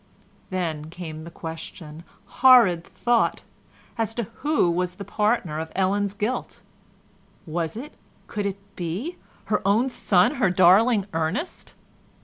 Then came the question—horrid thought!—as to who was the partner of Ellen's guilt? Was it, could it be, her own son, her darling Ernest?